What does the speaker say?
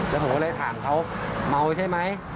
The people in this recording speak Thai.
แล้วผมก็เลยถามเขาเมาใช่ไหม